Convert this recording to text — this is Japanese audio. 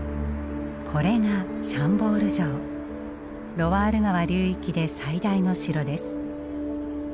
ロワール川流域で最大の城です。